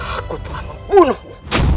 aku telah memunuhmu